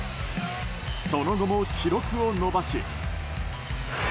その後も記録を伸ばし。